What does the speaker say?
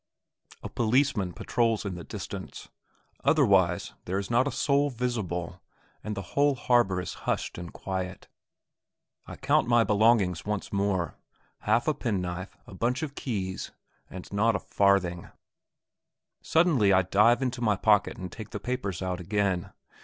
A policeman patrols in the distance; otherwise there is not a soul visible, and the whole harbour is hushed in quiet. I count my belongings once more half a penknife, a bunch of keys, but not a farthing. Suddenly I dive into my pocket and take the papers out again.